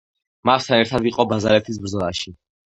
მასთან ერთად იყო ბაზალეთის ბრძოლაში.